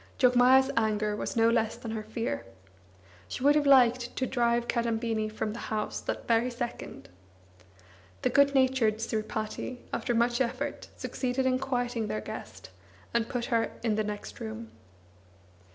Jogmaya's anger was no less than her fear. She would have liked to drive Kadambini from the house that very second. The good natured Sripati, after much effort, succeeded in quieting their guest, and put her in the next room.